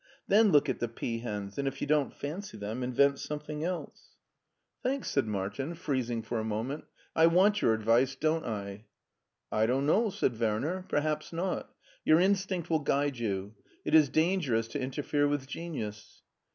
Then look at the peahens, and if you don't fancy them« invent something else.'' 6o MARTIN SCHtJLER " Thanks/' said Martin, freezing for a moment; I want your advice, don't I ?"" I don't know," said Werner, " perhaps not. Your instinct will guide you. It is dangerous to interfere with genius."